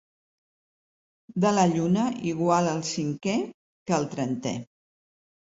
De la lluna, igual el cinquè que el trentè.